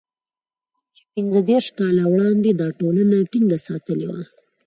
کوم چې پنځه دېرش کاله وړاندې دا ټولنه ټينګه ساتلې وه.